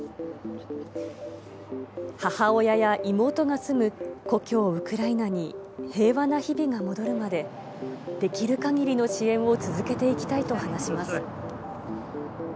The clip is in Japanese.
母親や妹が住む故郷、ウクライナに、平和な日々が戻るまで、できるかぎりの支援を続けていきたいと話します。